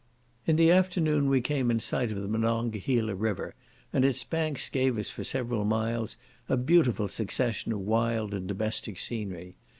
In the afternoon we came in sight of the Monongehala river; and its banks gave us for several miles a beautiful succession of wild and domestic scenery.